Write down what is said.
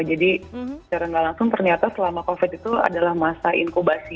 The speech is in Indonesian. jadi secara gak langsung ternyata selama covid itu adalah masa inkubasi